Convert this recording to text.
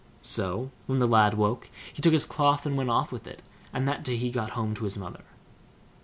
So, when the lad woke, he took his cloth and went off with it, and that day he got home to his mother.